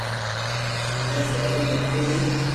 مني جھالو متي ني